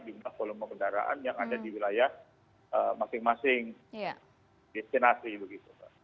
di kolom kendaraan yang ada di wilayah masing masing destinasi